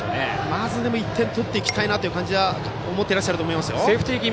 まず１点取っていきたい感じは思っていると思いますよ。